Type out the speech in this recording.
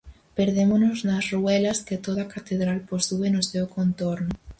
Perdémonos nas ruelas que toda catedral posúe no seu contorno.